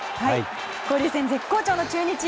交流戦絶好調の中日。